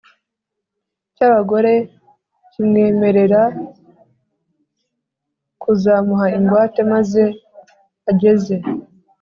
cy’abagore kimwemerera kuzamuha ingwate maze ageze